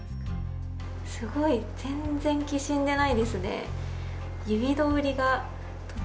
すごい全然きしんでないですね。